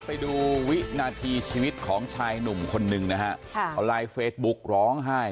ไปดูวินาทีชีวิตของชายหนุ่มคนหนึ่งนะฮะเขาไลฟ์เฟซบุ๊กร้องไห้